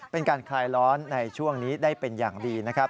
เป็นการคลายร้อนในช่วงนี้ได้เป็นอย่างดีนะครับ